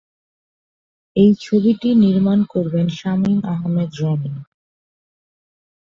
এই ছবিটি নির্মাণ করবেন শামীম আহমেদ রনি।